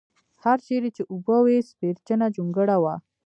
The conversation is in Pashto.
هر چېرې چې اوبه وې سپېرچنه جونګړه وه.